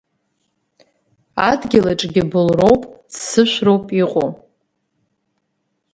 Адгьыл аҿгьы былроуп, ццышәроуп иҟоу.